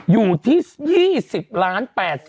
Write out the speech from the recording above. อยู่ที่๒๐๘๘๒๒๓๕คนครับ